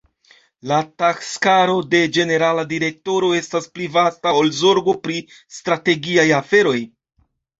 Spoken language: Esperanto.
La taskaro de Ĝenerala Direktoro estas pli vasta ol zorgo pri strategiaj aferoj.